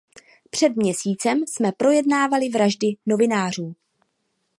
Před měsícem jsme projednávali vraždy novinářů.